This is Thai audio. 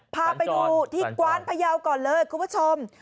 พาไปดูที่กว้านพยาวก่อนเลยคุณผู้ชม